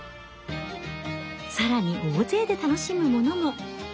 更に大勢で楽しむものも。